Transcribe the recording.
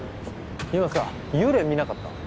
今さ幽霊見なかった？